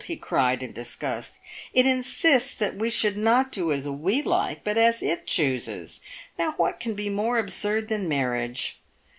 he cried, in disgust, "it in sists that we should do not as we like, but as it chooses. Now what can be more absurd than marriage